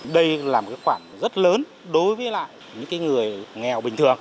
đây là một cái quản rất lớn đối với những người nghèo bình thường